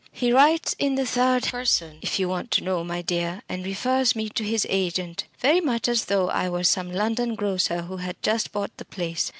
"He writes in the third person, if you want to know, my dear, and refers me to his agent, very much as though I were some London grocer who had just bought the place.